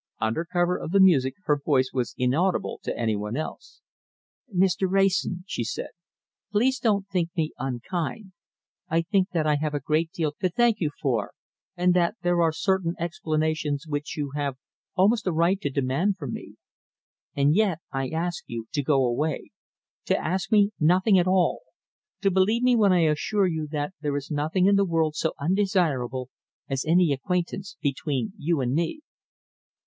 Under cover of the music her voice was inaudible to any one else. "Mr. Wrayson," she said, "please don't think me unkind. I know that I have a great deal to thank you for, and that there are certain explanations which you have almost a right to demand from me. And yet I ask you to go away, to ask me nothing at all, to believe me when I assure you that there is nothing in the world so undesirable as any acquaintance between you and me."